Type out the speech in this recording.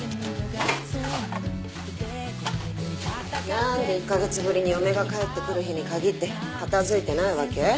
何で１カ月ぶりに嫁が帰ってくる日に限って片付いてないわけ？